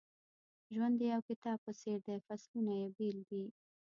ژوند د یو کتاب په څېر دی فصلونه یې بېل دي.